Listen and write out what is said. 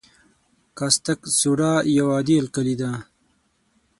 کاستک سوډا یو عادي القلي ده.